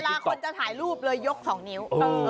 เวลาคนจะถ่ายรูปเลยยก๒นิ้ว